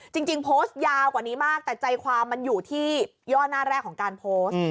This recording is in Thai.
จริงโพสต์ยาวกว่านี้มากแต่ใจความมันอยู่ที่ย่อหน้าแรกของการโพสต์